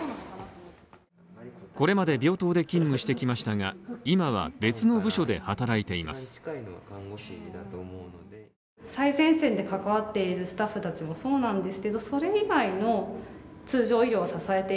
これまで病棟で勤務してきましたが、今は別の部署で働いています